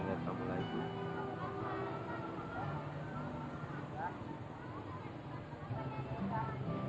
aku datang ke kampung ini dan memulai membuka pati asuhan